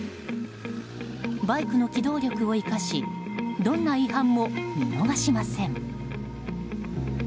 バイクの機動力を生かしどんな違反も見逃しません。